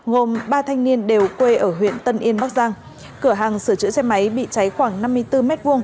gồm ba thanh niên đều quê ở huyện tân yên bắc giang cửa hàng sửa chữa xe máy bị cháy khoảng năm mươi bốn m hai